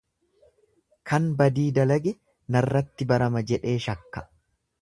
Kan badii dalage narratti barama jedhee shakka.